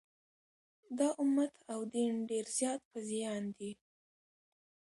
د امت او دین ډېر زیات په زیان دي.